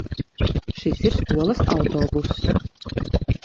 Šis ir skolas autobuss.